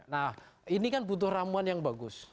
nah ini kan butuh ramuan yang bagus